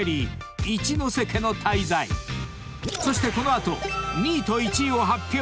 ［そしてこの後２位と１位を発表！］